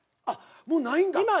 あっもうないんだ。